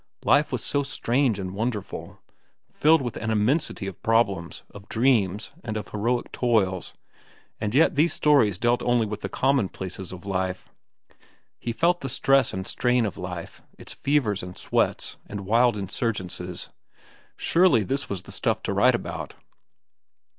Life was so strange and wonderful, filled with an immensity of problems, of dreams, and of heroic toils, and yet these stories dealt only with the commonplaces of life. He felt the stress and strain of life, its fevers and sweats and wild insurgences—surely this was the stuff to write about!